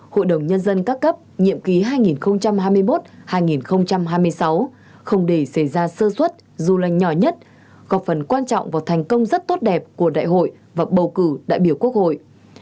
hội đồng nhân dân các cấp nhiệm ký hai nghìn hai mươi một hai nghìn hai mươi sáu không để xảy ra sơ xuất dù là nhỏ nhất có phần quan trọng vào thành công rất tốt đẹp của đại hội và bầu cử đại biểu quốc hội